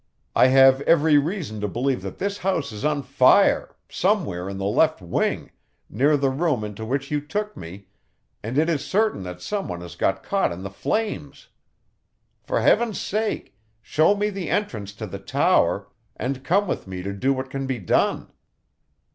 I have every reason to believe that this house is on fire, somewhere in the left wing, near the room into which you took me, and it is certain that someone has got caught in the flames. For heaven's sake, show me the entrance to the tower, and come with me to do what can be done!"